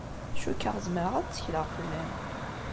Cukkeɣ zemreɣ ad ttekleɣ fell-am.